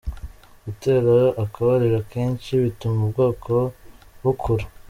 Gutera akabariro kenshi bituma ubwoko bukura.